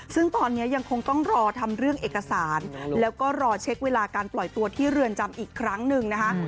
ซึ่งตอนนี้ยังคงต้องรอทำเรื่องเอกสารแล้วก็รอเช็คเวลาการปล่อยตัวที่เรือนจำอีกครั้งหนึ่งนะคะ